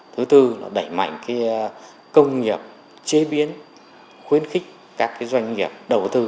thứ tư là đẩy mạnh công nghiệp chế biến khuyến khích các doanh nghiệp đầu tư